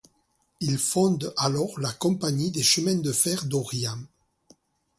Il fonde alors la Compagnie des chemins de fer d'Orient.